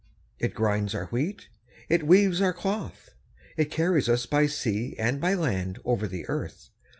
It grinds our wheat, it weaves our cloth, it carries us by sea and by land over the earth.